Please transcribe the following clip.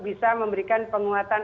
bisa memberikan penguatan